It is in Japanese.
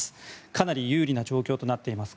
かなり有利な状況となっています。